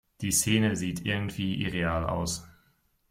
Die Szene sieht irgendwie irreal aus.